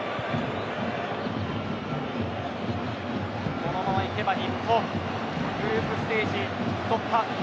このままいけば日本グループステージ突破。